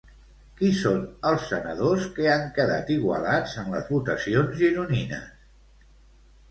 Qui són els senadors que han quedat igualats en les votacions gironines?